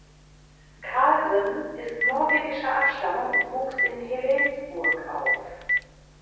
Karlsen ist norwegischer Abstammung und wuchs in Helensburgh auf.